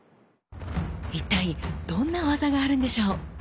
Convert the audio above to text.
一体どんな技があるんでしょう？